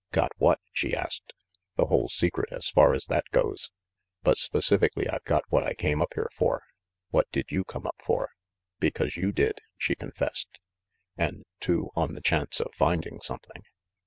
"Got what?" she asked. "The whole secret, as far as that goes. But spe cifically, I've got what I came up here for. What did you come up for?" "Because you did," she confessed. "And, too, on the chance of finding something."